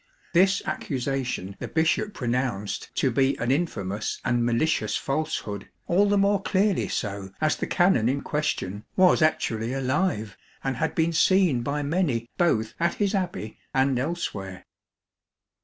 This accusation the bishop pronounced to be an infamous and malicious false hood, all the more clearly so as the canon in question was actually alive and had been seen by many both at his abbey and elsewhere.